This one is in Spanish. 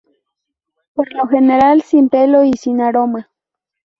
Por lo general, sin pelo y sin aroma.